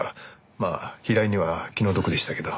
まあ平井には気の毒でしたけど。